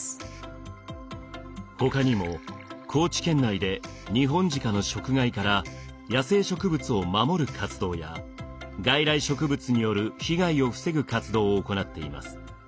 ほかにも高知県内でニホンジカの食害から野生植物を守る活動や外来植物による被害を防ぐ活動を行っています。